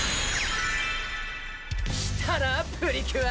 来たなプリキュア！